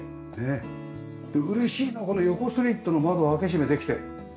で嬉しいのはこの横スリットの窓を開け閉めできて。